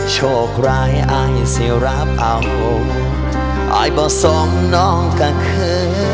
โชคร้ายไอ้สิราบเอาไอ้บ่ส่งน้องกะเขือ